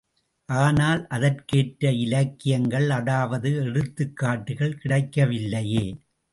ஆனால், அதற்கேற்ற இலக்கியங்கள் அதாவது எடுத்துக்காட்டுகள் கிடைக்கவில்லையே.